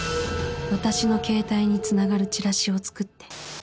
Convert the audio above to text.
私の携帯に繋がるチラシを作って